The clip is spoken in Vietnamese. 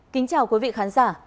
kính chào quý vị khán giả